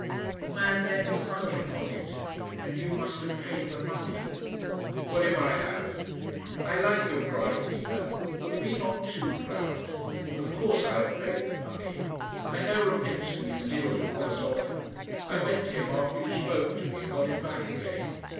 "The man lent me money upon it, and you must have paid the money." "What if I have? I like your pride, Nina; but be not too proud. Of course I have paid the money. I know Rapinsky, who deals with us often. I went to him after you spoke to me, and got it back again.